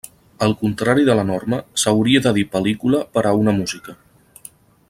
Al contrari de la norma, s'hauria de dir pel·lícula per a una música.